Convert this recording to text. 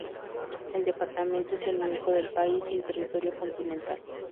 El departamento es el único del país sin territorio continental.